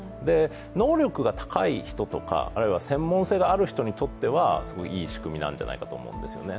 能力が高い人とか、あるいは専門性がある人にとってはいい仕組みじゃないかと思うんですよね。